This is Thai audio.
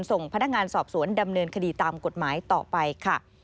ส่งพนักงานสอบสวนดำเนินคดีตามกฎหมายต่อไปค่ะ